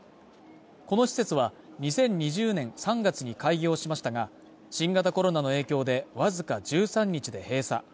この施設は、２０２０年３月に開業しましたが、新型コロナの影響でわずか１３日で閉鎖。